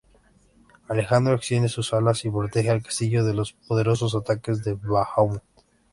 Alejandro extiende sus alas y protege al castillo de los poderosos ataques de Bahamut.